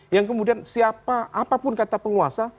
yang kemudian siapa apapun kata penguasa